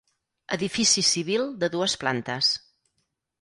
Edifici civil de dues plantes.